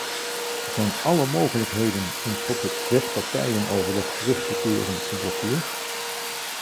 Zijn alle mogelijkheden om tot het zespartijenoverleg terug te keren geblokkeerd?